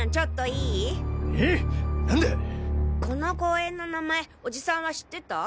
この公園の名前おじさんは知ってた？